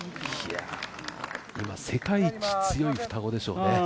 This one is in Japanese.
今世界一強い双子でしょうね。